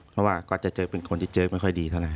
เพราะว่าก็จะเจอเป็นคนที่เจอไม่ค่อยดีเท่าไห